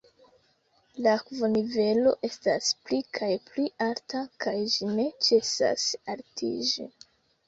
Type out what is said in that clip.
La akvonivelo estas pli kaj pli alta, kaj ĝi ne ĉesas altiĝi.